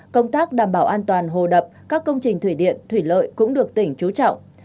công tác đảm bảo an toàn hồ đập các công trình thủy điện thủy lợi cũng được tỉnh trú trọng